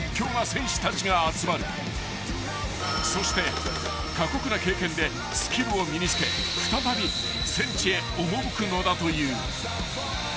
［そして過酷な経験でスキルを身に付け再び戦地へ赴くのだという］